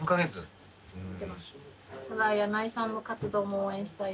ただ箭内さんの活動も応援したいし。